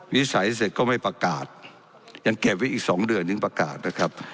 วิสัยเสร็จก็ไม่ประกาศยังเก็บไว้อีก๒เดือนยังประกาศนะครับ